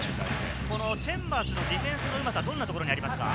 チェンバースのディフェンスのうまさはどんなところですか？